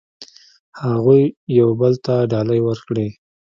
هغوی یو بل ته ډالۍ ورکړې.